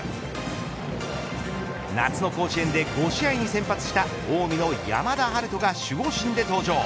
夏の甲子園で５試合に先発した近江の山田陽翔が守護神で登場。